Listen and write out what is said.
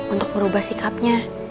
untuk merubah sikapnya